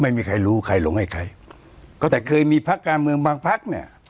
ไม่มีใครรู้ใครหลงให้ใครก็แต่เคยมีพักการเมืองบางพักเนี่ย